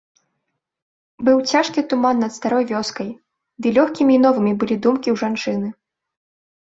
Быў цяжкі туман над старой вёскай, ды лёгкімі і новымі былі думкі ў жанчыны.